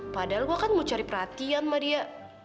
padahal gue kan mau cari perhatian sama dia